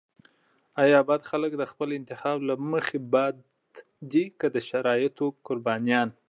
که خبرې کوې، نو خبرې به کېږي، خو که خبرې نه کوې، بيا هم خبرې کېږي.